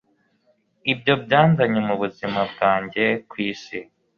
ibyo byanzanye mubuzima bwanjye kwisi